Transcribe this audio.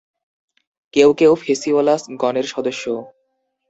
কেউ কেউ "ফেসিওলাস" গণের সদস্য।